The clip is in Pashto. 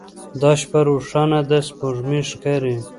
دا شپه روښانه ده سپوږمۍ ښکاري